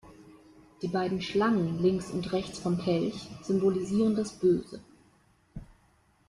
Die beiden Schlangen links und rechts vom Kelch symbolisieren das Böse.